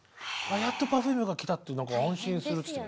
やっとＰｅｒｆｕｍｅが来たって何か安心するって。